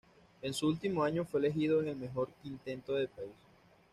En su último año fue elegido en el mejor quinteto del país.